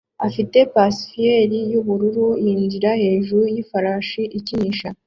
ufite pacifier yubururu yinjira hejuru yifarashi ikinisha